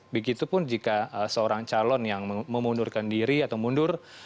begitupun jika seorang calon yang memundurkan diri atau mundur